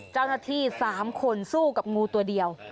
เจ้าหน้าที่๓คนสู้กับงูตัวเดียว